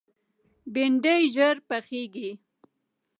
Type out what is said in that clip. بېنډۍ ژر پخېږي